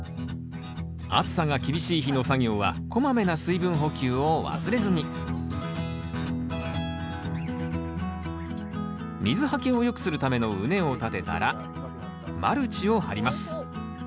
暑さが厳しい日の作業はこまめな水分補給を忘れずに水はけを良くするための畝を立てたらマルチを張ります。